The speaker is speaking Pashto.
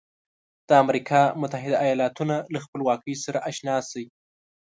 د امریکا متحده ایالتونو له خپلواکۍ سره آشنا شئ.